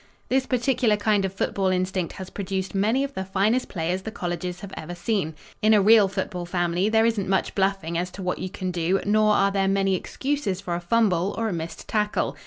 This particular kind of football instinct has produced many of the finest players the colleges have ever seen. In a real football family there isn't much bluffing as to what you can do nor are there many excuses for a fumble or a missed tackle.